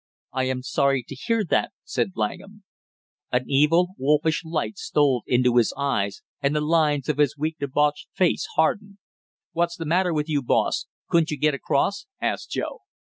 "I am sorry to hear that!" said Langham. An evil wolfish light stole into his eyes and the lines of his weak debauched face hardened. "What's the matter with you, boss; couldn't you get across?" asked Joe.